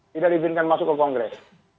tidak diizinkan masuk ke kongres